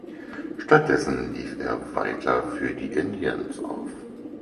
Stattdessen lief er weiter für die Indians auf.